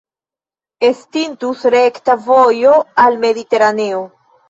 Estintus rekta vojo al Mediteraneo.